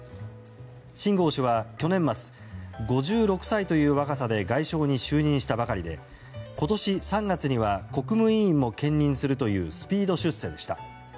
シン・ゴウ氏は去年末５６歳という若さで外相に就任したばかりで今年３月には国務委員も兼任するというスピード出世でした。